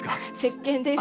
せっけんです。